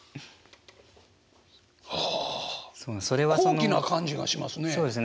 高貴な感じがしますね！